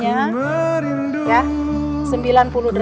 lalu ibu andin berdiri disamping ibu andin